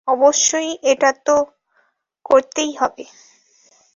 অবশ্যই এটা তো করতেই হবে।